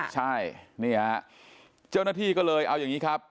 ใช่นี่ฮะเจ้าหน้าที่ก็เลยเอาอย่างนี้ครับ